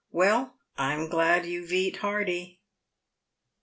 Well, I'm glad you've eat hearty."